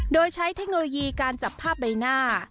โดยใช้เทคโนโลยีการจับภาพใบหน้า